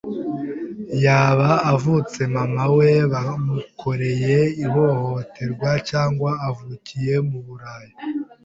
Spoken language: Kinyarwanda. yaba avutse mama we bamukoreye ihohoterwa, cyangwa avukiye mu buraya.